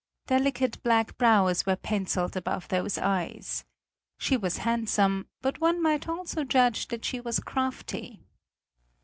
Delicate black brows were penciled above those eyes. She was handsome, but one might also judge that she was crafty.